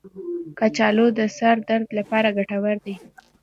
کچالو د سر درد لپاره ګټور دی.